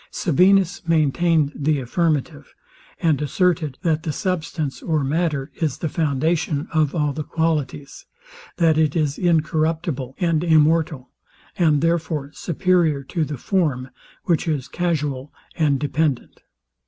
Sabinus maintained the affirmative, and asserted that the substance or matter is the foundation of all the qualities; that it is incorruptible and immortal, and therefore superior to the form, which is casual and dependent.